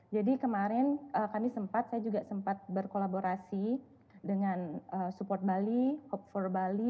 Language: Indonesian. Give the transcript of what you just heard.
jadi kemarin kami sempat saya juga sempat berkolaborasi dengan support bali hope for bali